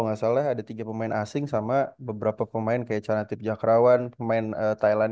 nggak salah ada tiga pemain asing sama beberapa pemain kayak canatip jakrawan pemain thailand